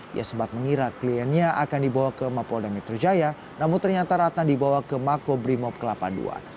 dia sempat mengira kliennya akan dibawa ke mapolda metro jaya namun ternyata ratna dibawa ke makobrimob kelapa ii